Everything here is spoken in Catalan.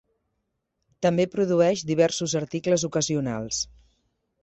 També produeix diversos articles ocasionals.